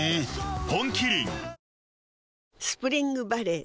本麒麟スプリングバレー